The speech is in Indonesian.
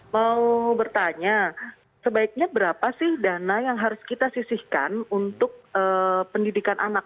mau bertanya sebaiknya berapa sih dana yang harus kita sisihkan untuk pendidikan anak